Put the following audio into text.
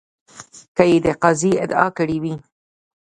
که یې د قاضي ادعا کړې وي.